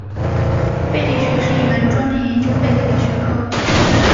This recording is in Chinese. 贝类学是一门专门研究贝类的学科。